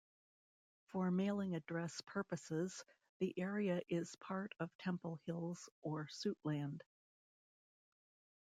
For mailing address purposes, the area is part of Temple Hills or Suitland.